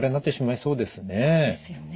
そうですよね。